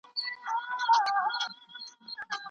دا پرمختللي وسایل د ځمکې لاندې د اوبو سرچینې په نښه کوي.